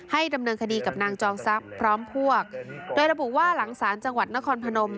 ดำเนินคดีกับนางจอมทรัพย์พร้อมพวกโดยระบุว่าหลังศาลจังหวัดนครพนม